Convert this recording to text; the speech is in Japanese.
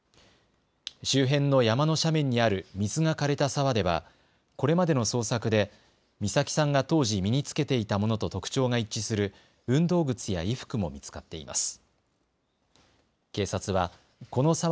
周辺の山の斜面にある水がかれた沢では、これまでの捜索で美咲さんが当時身に着けていたものと特徴が一致する運動靴や衣服も見つかっています。